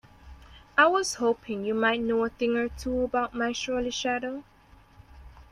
I was hoping you might know a thing or two about my surly shadow?